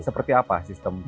seperti apa sistem penampungan